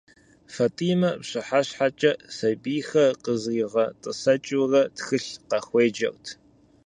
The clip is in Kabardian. Фэтӏимэ, пщыхьэщхьэкӏэ сэбийхэр къызригъэтӏысэкӏыурэ тхылъ къахуеджэрт.